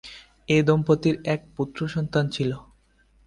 এ দম্পতির এক পুত্রসন্তান ছিল।